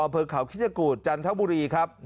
อำเภอเขาคิชกูธจันทบุรีครับ